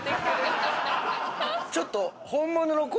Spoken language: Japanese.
ちょっと。